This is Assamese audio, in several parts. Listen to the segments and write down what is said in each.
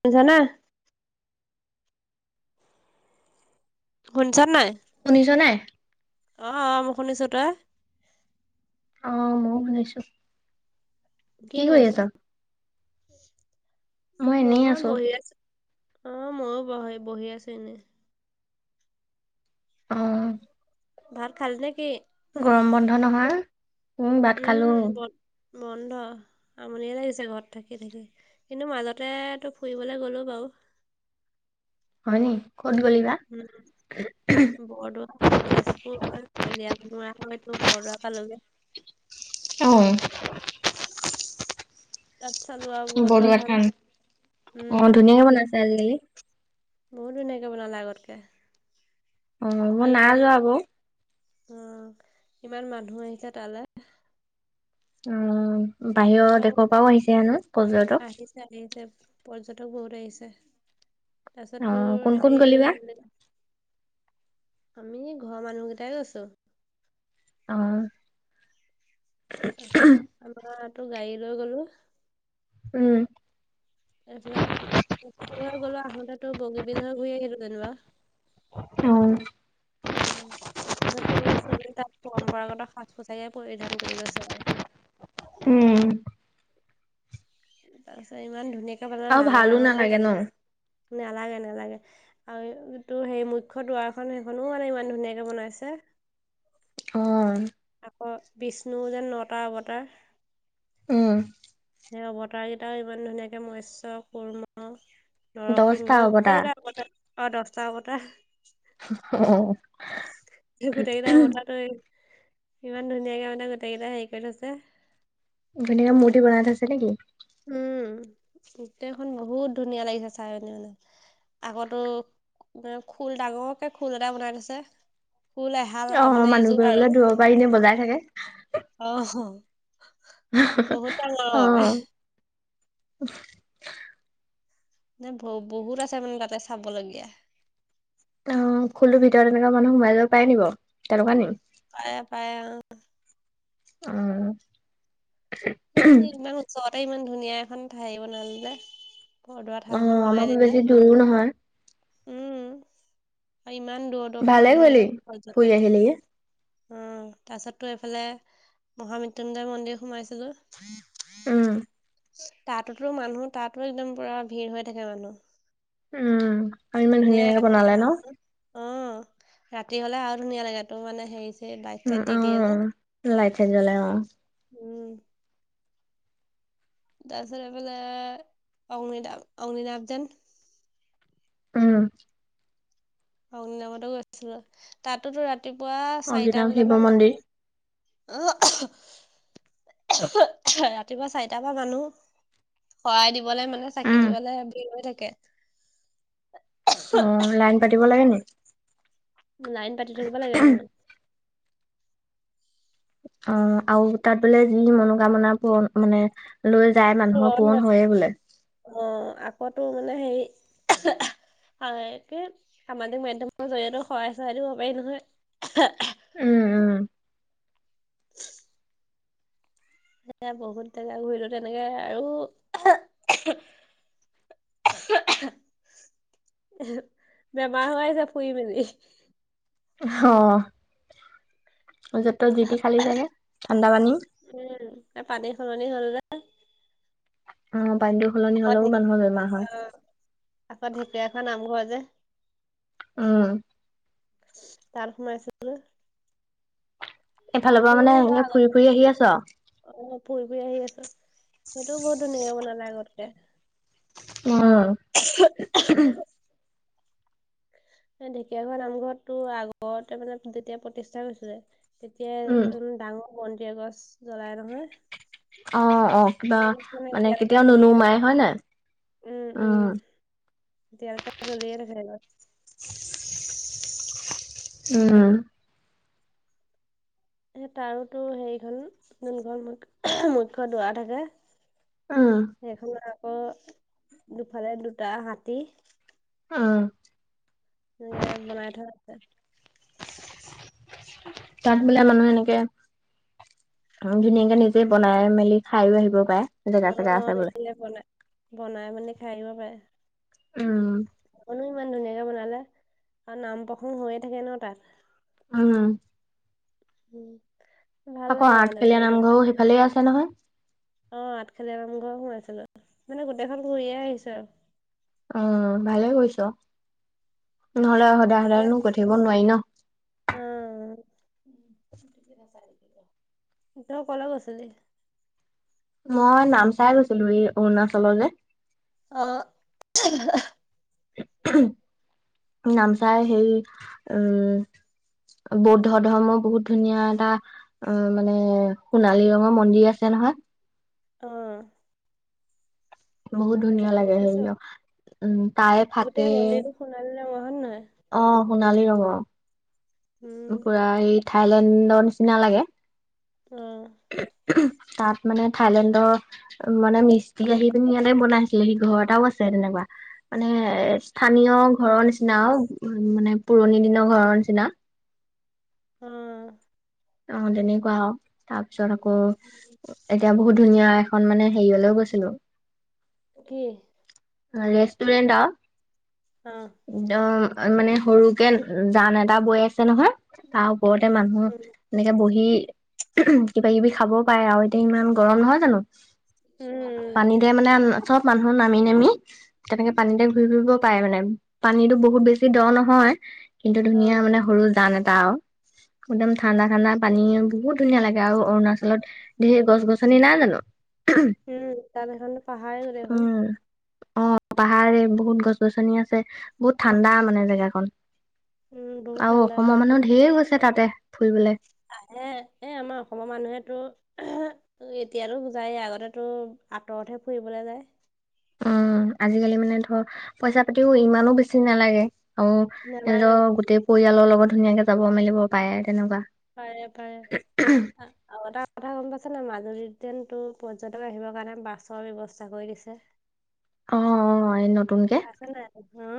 শুনিছা নে। শুনিছ নাই। শুনিছ নাই। অ অ মই শুনিছো তই, অ ময়ো শুনিছো। কি কৰি আছা মই বহি আছো। অ ময়ো বহি বহি আছো এনেই, অ, ভাত খালি নেকি। গৰম বন্ধ নহয়। উম, ভাত খালো। উম বন্ধ আমনিয়ে লাগিছে ঘৰত থাকি থাকি। কিন্তু মাজতে তো ফুৰিবলৈ গ'লো বাৰু হয় নি ক'ত গ'লিবা। উম [unintelligible] বৰদোৱা তেজপুৰ হৈ কলিয়াভোমোৰা হৈ তোৰ বৰদোৱা পালোগে। উম, তাত চালো আৰু বৰদোৱা থান উম অ উম ধুনীয়াকে বনাইছে আজিকালি। বহুত ধুনীয়াকে বনালে আগতকে। অ মই আৰু নাই ইমান যোৱা আকৌ। অ কিমান মানুহ আহিছে তালে। উম বাহিৰৰ তালে দেশৰ পৰাও আহিছে হেনো পৰ্যটক, আহিছে আহিছে পৰ্যটক বহুত আহিছে। তাৰপিছত তোৰ অ' কোন কোন হেৰি গ'লি এইটো বা? কি বুলি কয়। আমি ঘৰৰ মানুহ কেইটাই গৈছো। অ, তাৰপিছত আমাৰ তো গাড়ী লৈ গলো। উম এইবিলাক গলো আহোতে টো বগীবল হৈ ঘূৰি আহিলো যেনিবা। উম, উম, তাৰপিছত তোৰহলে চবেই তাত পৰম্পৰাগত সাজ পোচাকে পৰিধান কৰি গৈছে আৰু উম তাৰ পিছত ইমান ধুনীয়াকে পালে আৰু ডাঙৰ ভালো ডাঙৰো নালাগে ন? নালাগে নালাগে। আৰু তোৰ সেই মুখ্য দুৱাৰখন সেইখনো মানে ইমান ধুনীয়াকে বনাইছে। অঁ। আকৌ বিষ্ণু যেন নটা অৱতাৰ। উম। সেই অৱতাৰ কেইটাও ইমান ধুনীয়াকে মৎস্য কূৰ্ম। দহটা নৰসিংহৰ হ'ব গোটেই তাৰ। কেইটা অবতাৰ অ দছটা অবতাৰ। অঁ। গোটেইকেইটা অৱতাৰটো ইমান ধুনীয়াকৈ মানে গোটেইকেইটা হেৰি কৰি থৈছে। ধুনীয়াকে মুৰ্তি বনাই থৈছে নেকি? উম গোটেইখন বহুত ধুনীয়া লাগিছে চাই পিনে মানে। আগতো খোল ডাঙৰকে খোল এটা বনাই থৈছে। কুল এহাল অ' মানে এযোৰ মানুহবোৰে বোলে আৰু দূৰৰ পৰা এনে বজাই থাকে। অ হ। বহুত ডাঙৰ অ হয়। [unintelligible] ন ব বহুত আছে মানে তাতে চাবলগীয়া। অঁ, খুলটোৰ ভিতৰত এনেকুৱা মানুহ সোমাই যাব পায় নি বাও তেনেকুৱা নি? পাই পাই অঁ। উম। সিহঁতে ইমান ওচৰতে ইমান ধুনীয়া এখন ঠাই বনাই ললে। বৰদোৱা অ থান খন আমাৰ বনাই পৰা দিলে বেছি দূৰো নহয় উম আৰু ইমান দূৰ দূৰৰ পৰা ভালেই মানুহ কৰিলি ফুৰি আহিলি গে। উম তাৰ পিছত টো এইফালে মহামৃতুঞ্জয় মন্দিৰ সোমাইছিলো। উম তাতো মানুহ তাতো একদম পুৰা ভিৰ হৈ থাকে মানুহ। উম আৰু ইমান ধুনীয়াকে বনালে ন? অঁ, ৰাতি হলে আৰু ধুনীয়া লাগে এটো মানে হেৰি চেৰি লাইট উম চাইট দি দিয়ে যে উম লাইট চাইট জ্বলাই অ। উম। তাৰপিছত এইফালে অগ্নীনাভ অগ্নি নাম যেন। উম। অগ্নিনাভতে গৈছিলো তাতো ৰাতিপুৱা চাৰিটা অৰিজিনেল শিৱ বজাৰ পৰা মন্দিৰ মানুহ। আহ ৰাতিপুৱা চাৰিটাৰ পৰা মানুহ। শৰাই দিবলৈ মানে চাকি উম দিবলৈ ভিৰ হৈ থাকে। অঁ, লাইন পাতিব লাগে নি? লাইন পাতি থাকিব লাগে অঁ। অঁ, আৰু তাত বোলে যি মনোকামনা পূৰণ মানে লৈ যায় মানুহৰ পুৰণ হয়য়ে বোলে। অঁ, আকৌ তো মানে হেৰি। একে সামাজিক মাধ্যমৰ জৰিয়তে শৰাই চৰাই দিব পাৰি নহয়। উম উম। [unintelligible] যে বহুত জেগা ঘূৰিলো তেনেকে আৰু বেমাৰ হৈ আছে ফুৰি মেলি। হঁ। য'ত তত যি তি খালি চাগে ঠাণ্ডা পানী। উম পানী সলনি হ'ল যে উম পানীটো সলনি আকৌ ঢে হলেও মানুহৰ বেমাৰ হয় আকৌ ঢেকীয়াখোৱা নামঘৰ যে উম তাত সোমাইছিলো। এইফালৰ পৰা মানে বা সে আগত ফুৰি ফুৰি আহি আছ। অ', ফুৰি ফুৰি আহি আছো সেইটোও বহুত ধুনীয়ে বনালে আগতকে। উম ঢেকীয়াখোৱা নামঘৰটো আগতে মানে যেতিয়া প্ৰতিষ্ঠা হৈছিল। তেতিয়া উম, উ ডাঙৰ বন্দি এগজ জ্বলাই নহয়। অ', অ', কিবা মানে এতিয়ালৈকে কেতিয়াও জ্বলিয়ে নুনুমাই থাকে। হয় নাই উম। দিয়ালৈকে জ্বলিয়ে সেই গজ উম। এ তাৰোতো হেৰিখন যোন ঘৰ মুখ্য দুৱাৰ থাকে। উম সেইখন দুৱাত আকৌ দুফালে দুটা হাতী। অ'। এনেকে বনাই থোৱা আছে। তাত বোলে মানুহে এনেকে ধুনীয়াকে নিজে বনাই মেলি খাইও আহিব পাৰে। জেগা অ চেগা আছে বোলে। এইপিনে বনাই বনাই মেনি খাই আহিব পাৰে। উম। অনো ইমান ধুনীয়াকে বনালে আও নাম প্ৰসংগ হৈয়ে থাকে ন তাত। উম উম ভাল আকৌ লাগে মানে আঠফেলীয়া গৈ পিনে। নামঘৰো সেইফালে আছে নহয়। অ', আঠখলিয়া নামঘৰ সোমাইছিলো মানে গোটেইখন ঘূৰিয়ে আহিছো আৰু। অ ভালে কৈছ, নহ'লে সদায় তেতিয়া সদায়নো গৈ থাকিব নোৱাৰি ন। অ, তই অকলে গৈছিল। মই নাম চাই গৈছিলো এই অৰুণাচল যে। অ' নামচাই সেই উম। বৌদ্ধ ধৰ্ম বহুত ধুনীয়া এটা অ', মানে সোণালী ৰঙৰ মন্দিৰ আছে নহয়। অ বহুত ধুনীয়া লাগে সেই দেখিছো আ উম তাই ফাকে গোটেই মন্দিৰটো সোণালী ৰঙৰ হয় নে নহয়? অ', সোণালী ৰঙ। উম, পুৰা এই থাইলেণ্ডৰ নিচিনা লাগে। অ'। তাত মানে থাইলেণ্ডৰ মানে মিস্ত্ৰী আহি পিনি ইয়াতে বনাইছিলে সি, ঘৰ এটাও আছে তেনেকুৱা মানে এ স্থানীয় অ', ঘৰৰ নিচিনা আও মানে পুৰণি দিনৰ ঘৰৰ নিচিনা। অ অ', তেনেকুৱা হ তাৰ পিছত আকৌ এতিয়া বহুত ধুনীয়া এখন মানে হেৰিয়লেও গৈছিলো। কি? ৰেষ্টুৰেণ্টা আও অ', দ- মানে সৰুকে জান এটা বৈ আছে নহয় তাৰ ওপৰতে মানুহ উম, এনেকে বহি কিবা কিবি খাবও পাৰে আৰু এতিয়া ইমান গৰম নহয় জানো। উম পানীতে মানে চব মানুহ নামি নামি তেনেকে পানীতে ঘূৰি ফুৰিব পাৰে মানে পানীতো বহুত বেছি দ নহয় কিন্তু ধুনীয়া অ', মানে সৰু জান এটা আৰু একদম ঠাণ্ডা ঠাণ্ডা পানী বহুত ধুনীয়া লাগে আৰু অৰুণাচলত ধেৰ গছ-গছনি নাই জানো। উম তাত এখন পাহাৰে যদি এখন অ' পাহাৰে বহুত গছ-গছনি আছে বহুত ঠাণ্ডা মানে জেগাকন। উম, বহুত আৰু ঠাণ্ডা হয়। অসমৰ মানুহ ধেৰ গৈছে তাতে ফুৰিবলে। আহে এই আমাৰ অসমৰ মানুহেতো তো এতিয়াতো যায় আগতে তো আঁতৰতহে ফুৰিবলে যায়। উম, আজিকালি মানে ধৰ পইচা পাতিও ইমানো বেছি নালাগে। আৰু নালাগে, তেজৰ গোটেই পৰিয়ালৰ লগত ধুনীয়াকে যাব মেলিব পাৰে তেনেকুৱা। পাৰে পাৰে আ আৰু এটা কথা গম পাইছেনে মাজুলীত ট্ৰেইনটো পৰ্যটকে আহিবৰ কাৰণে বাছৰ ব্যৱস্থা কৰি দিছে। অ অ [unintelligible] পাইছে নাই হুও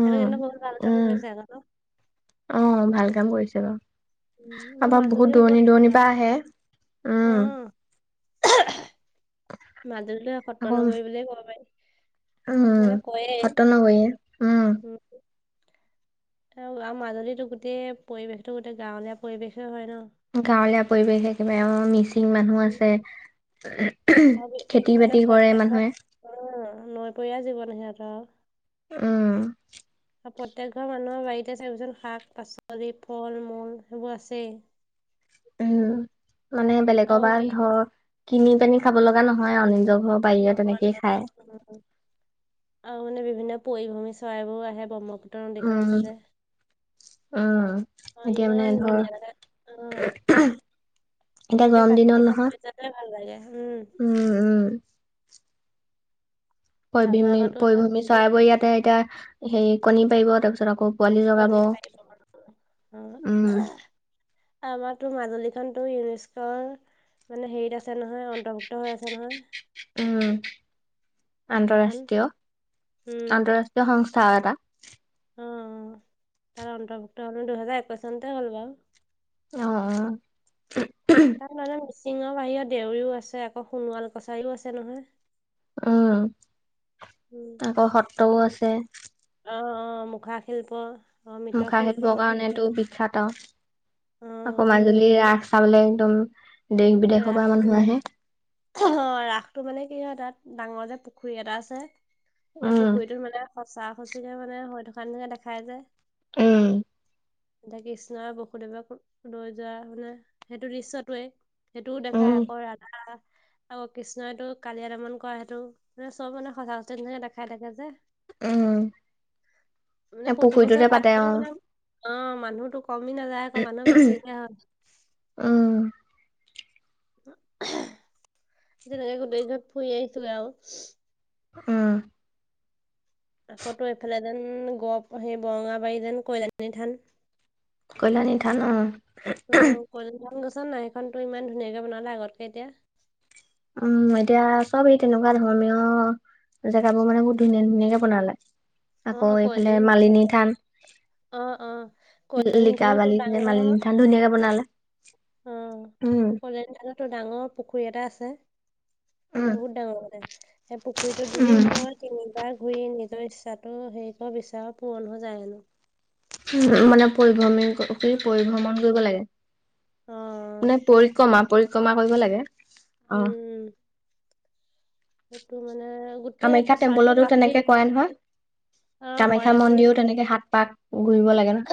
সেইটো কিন্তু বহুত ভাল কাম উম, কৰিছে আক ন অ' ভাল কাম কৰিছে বাৰু। উম, মোৰ আবা বহুত মাজুলীও দূৰণি কৰে সেইটো দূৰণিৰ বাৰু। পৰা আহে উম। মাজুলীলে সত্ৰ আকৌ নগৰি বুলিয়ে ক'ব পাৰি। মানে উম, সত্ত নগৰিয়া উম হু উ আৰু আৰু মাজুলীতো গোটেই পৰিৱেশটো গোটেই গাঁৱলীয়া পৰিৱেশে হয় ন। গাঁৱলীয়া পৰিৱেশ একেবাৰে অ' মিছি- ছিং মানুহ আছে উম, আৰু এইটো খেতি মানে বাতি কৰে প্ৰত্যেক ঘৰ মানুহে। অ নৈ পৰীয়া জীৱন সিহঁতৰ। উম। আৰু প্ৰত্যেক ঘৰ মানুহৰ বাৰীতে চাবিচোন শাক-পাচলি ফল মূল সেইবোৰ আছেই। উম, মানে বেলেগৰ আৰু পৰা হেৰি ধৰ কিনি পানি খাব লগা নহয় আও নিজৰ ঘৰ বাৰিৰে নহয় তেনেকেই নহয়। খায়। উম, আৰু মানে বিভিন্ন পৰি ভ্ৰমি চৰাইবোৰ আহে ব্ৰহ্মপুত্ৰৰ নদীখন উম, আছে যে। উম, অ', এতিয়া ইমান মানে ধুনীয়া লাগে। অ'। ধৰ এতিয়া গোটেই গৰম দিনত প্ৰাকৃতিক নহয় সকলোৱে যাতে ভাল লাগে উম। উম, উম। তাৰপিছত পৰিভ্ৰমি আকৌ তোৰ পৰিভ্ৰমি চৰাইবোৰ ইয়াতে এতিয়া হেৰি কণী পাৰিব তাৰপিছত আকৌ পোৱালি জগাব কনী পাৰিব কাৰণ উম উম, হুউম আমাৰতো মাজুলী খনতো ইউনিস্কৰ মানে হেৰিত আছে নহয় অন্তৰ্ভুক্ত হৈ আছে নহয়। উম, এখন আন্তৰাষ্ট্ৰীয় উম আন্তৰাষ্ট্ৰীয় সংস্থা এটা। অ' তাৰ অন্তৰ্ভুক্ত হ'ল দুহেজাৰ একৈশ চনতে হ'ল বাৰু। অ অ তাৰ মানে মিচিঙৰ বাহিৰেও দেউৰীও আছে আকৌ সোণোৱাল কছাৰীও আছে নহয়। অঁ আকৌ সত্ৰও আছে। অঁ, অঁ' মুখাশিল্প। মুখাশিল্পৰ কাৰণেটো বিখ্যাত আও। অ আকৌ মাজুলীৰ ৰাস চাবলে একদম দেশ -বিদেশৰ ৰাস পৰা মানুহ আহে। ৰাসটো মানে কি হয় তাত ডাঙৰকে পুখুৰী এটা আছে। সেই উম, পুখুৰীটোত মানে সঁচা- সচিকে মানে হৈ থকা নিচিনা দেখাই যে। উম, এতিয়া কৃষ্ণই আৰু বসুদেৱক লৈ যোৱা মানে সেইটো দৃশ্যটোৱে। সেইটোও দেখাই, উম, আকৌ ৰাধা আৰু কৃষ্ণইটো কালিয়া দমন কৰা সেইটো। চব মানে সঁচা - নিচিনা দেখাই থাকে যে উম মানে প্ৰতি পুখুৰীটোতে বছৰে পাতে পাটনাও অ', বনাম অঁ মানুহতো কমি নাযায় আক' মানুহ বেছিহে হয়। অঁ-ওঁ। যেনেকে গোটেই কেইঘৰত ফুৰি আহিছোগে আও। অঁ। আকৌতো এইফালে যেন গ সেই যে বৰঙাবাৰী যেন কল্যাণী থান। কল্যাণী থান অঁ। উদ্ - হোঁ। উম কল্যাণী থান গৈছ নাই? সেইখনটো ইমান ধুনীয়াকে বনালে আগতকে এতিয়া। উম এতিয়া চব এই তেনেকুৱা ধৰ্মীয় জেগাবোৰ মানে বহুত ধুনীয়া ধুনীয়াকে বনালে। অ আকৌ অ এইফালে কল্যাণী মালিনী থান। অ অ কলনী থানতো লিকাবালি নে মালিনী থান ধুনীয়াকে বনালে। উম, উম, কল্যাণী থানতটো ডাঙৰ পুখুৰী এটা আছে। উম, বহুত ডাঙৰ মানে। সেই পুখুৰীটোত যদি তই তিনিবাৰ ঘুৰি নিজৰ ইচ্ছাটো হেৰি ক' বিচাৰ পুৰণ হৈ যায় হেনো। হোঁও মানে পৰিভ্ৰমি ক্ মানে পৰিভ্ৰমণ কৰিব লাগে। অ মানে পৰিক্ৰমা, পৰিক্ৰমা কৰিব লাগে। অ'। উম। সেইটো মানে গোট কামাখ্যা টেম্পলতো তেনেকে কৰাই নহয়? অ কৰে কামাখ্যা কৰে মন্দিৰো তেনেকে সাত পাক ঘূৰিব লাগে ন'?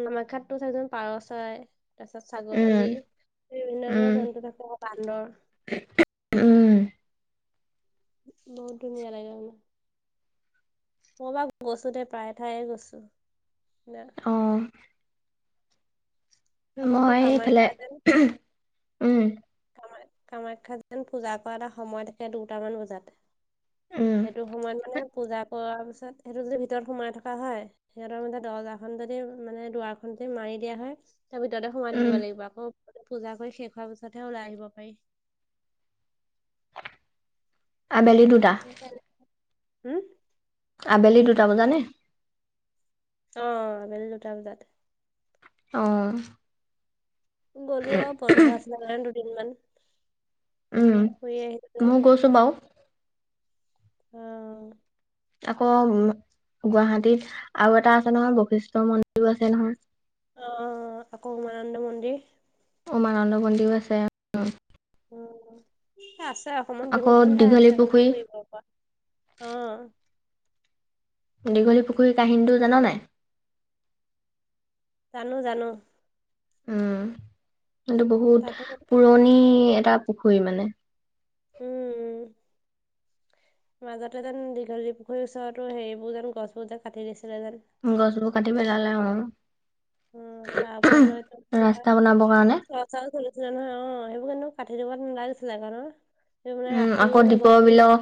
কামাখ্যাতটো চাচোন পাৰচৰাই তাৰ পিছত ছাগলী উম, বিভিন্ন উম, ধৰণৰ জন্তু থাকে বান্দৰ। উম বহুত ধুনীয়া লাগে মানে। মই বাৰু গৈছো দেই প্ৰায় ঠাই গৈছোঁ। অঁ আকৌ তোৰ মই এইফালে কামাখ্যা যেন উম। কামা- কামাখ্যা যেন পূজা কৰা এটা সময় থাকে দুটামান বজাত। উম, সেইটো সময়ত মানে পূজা কৰাৰ পিছত সেইটো যদি ভিতৰত সোমাই থকা হয়। সিহঁতৰ মতে দৰ্জাখন যদি মানে, দুৱাৰখন যদি মাৰি দিয়া হয়। তাৰ ভিতৰতে সোমাই উম, থাকিব লাগিব। আকৌ পূজা কৰি শেষ হোৱাৰ পিছতহে ওলাই আহিব পাৰি। আবেলি দুটা? হয় নাই? হুম আবেলি দুটা বজা নে? অঁ আবেলি দুটা বজাত। অঁ গ'লো আও বন্ধ আছিলে কাৰণে দুদিন মান উম ময়ো গৈছো বাও। অঁ আকৌ গুৱাহাটীত আৰু এটা আছে নহয়, বশিষ্ঠ মন্দিৰো আছে নহয়। অঁ, আকৌ উমানন্দ মন্দিৰ। উমানন্দ মন্দিও আছে। ওম, আছে অসমত আকৌ বহুতকেখন ঠাই দীঘলী আছে মানে পুখুৰী ফুৰিব পৰা অ। দীঘলী পুখুৰীৰ কাহিনীটো জান নাই? জানো জানো। উম কিন্তু বহুত তাতো পুৰণি এটা পুখুৰী মানে। উম, উম মাজতে যেন দীঘলী পুখুৰীৰ ওচৰতো হেৰিবোৰ যেন গছবোৰ যেন কাটি দিছিলে যে। ও গছবোৰ কাটি পেলালে আৰু অ তাৰ ৰাস্তা বনাব কাৰণে। পচাৰো চলিছিলে নহয় অ, সেইবোৰ কিন্তু কাটি দিব নালাগিছিলে কাৰণে সেই মানে উম আকৌ ৰাখিও মানে দীপৰ গছো বিলৰ